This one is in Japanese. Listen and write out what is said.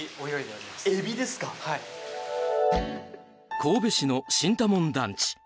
神戸市の新多聞団地。